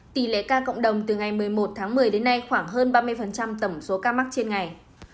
tỷ lệ ca cộng đồng từ ngày một mươi một tháng một mươi đến nay khoảng hơn ba mươi tổng số ca mắc trên ngày